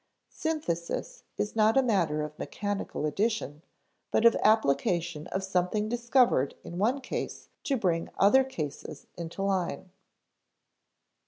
Synthesis is not a matter of mechanical addition, but of application of something discovered in one case to bring other cases into line.